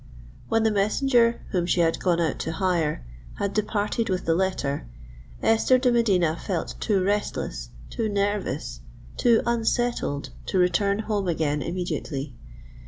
When the messenger, whom she had gone out to hire, had departed with the letter, Esther de Medina felt too restless—too nervous—too unsettled, to return home again immediately.